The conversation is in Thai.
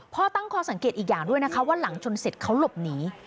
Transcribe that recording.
ตั้งข้อสังเกตอีกอย่างด้วยนะคะว่าหลังชนเสร็จเขาหลบหนี